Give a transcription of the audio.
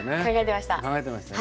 考えてました。